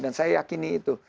dan saya yakini itu